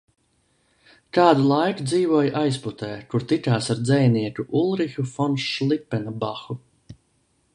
Kādu laiku dzīvoja Aizputē, kur tikās ar dzejnieku Ulrihu fon Šlipenbahu.